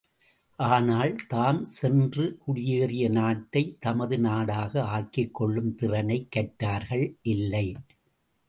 ஆனால், தாம் சென்று குடியேறிய நாட்டைத் தமது நாடாக ஆக்கிக் கொள்ளும் திறனைக் கற்றார்கள் இல்லை!